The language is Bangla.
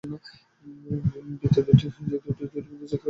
বৃত্ত দুইটি যে দুটি বিন্দুতে ছেদ করেছে সেটি এবং বিপরীত বিন্দুটি যোগ করি।